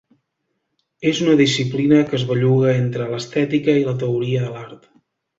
És una disciplina que es belluga entre l'estètica i la teoria de l'art.